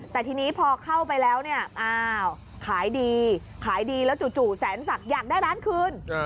แต่ทีนี้พอเข้าไปแล้วขายดีแล้วจู่แสนศักดิ์อยากได้ร้านคืน